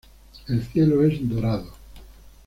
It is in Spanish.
El cielo es dorado.